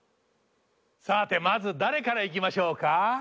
さてまず誰からいきましょうか？